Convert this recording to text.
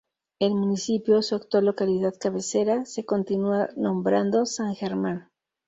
El municipio, su actual localidad cabecera, se continúa nombrando San Germán.